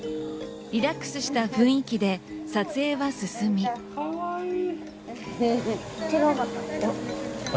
リラックスした雰囲気で撮影は進み違かった